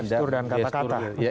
gestur dan kata kata